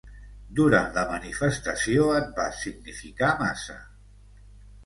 Durant la manifestació et vas significar massa.